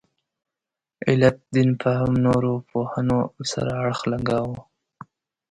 علت دین فهم نورو پوهنو سره اړخ لګاوه.